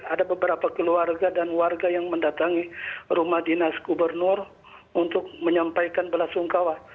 ada beberapa keluarga dan warga yang mendatangi rumah dinas gubernur untuk menyampaikan belasungkawa